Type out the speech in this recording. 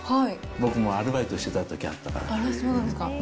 僕もアルバイトしてたときあったから。